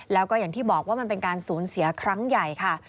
แล้วก็อย่างที่บอกว่ามันเป็นการสูญเสียครั้งใหญ่ค่ะ